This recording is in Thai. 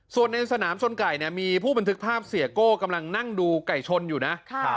ส่วนในสนามชนไก่เนี่ยมีผู้บันทึกภาพเสียโก้กำลังนั่งดูไก่ชนอยู่นะ